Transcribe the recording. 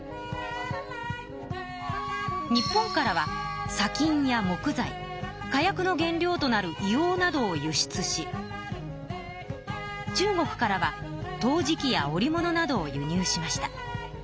日本からはさ金や木材火薬の原料となる硫黄などを輸出し中国からは陶磁器や織物などを輸入しました。